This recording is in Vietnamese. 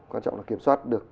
quan trọng là kiểm soát được